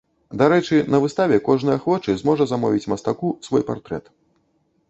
Дарэчы, на выставе кожны ахвочы зможа замовіць мастаку свой партрэт.